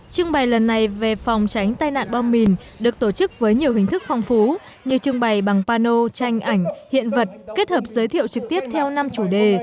trưng bày lần này về phòng tránh tai nạn bom mìn được tổ chức với nhiều hình thức phong phú như trưng bày bằng pano tranh ảnh hiện vật kết hợp giới thiệu trực tiếp theo năm chủ đề